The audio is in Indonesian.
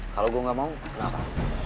kalo gua gak mau kenapa